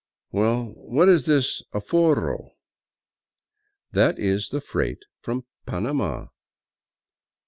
"Well, what is this aforro?" " That is the freight from Panama."